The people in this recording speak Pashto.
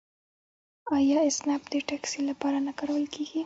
آیا اسنپ د ټکسي لپاره نه کارول کیږي؟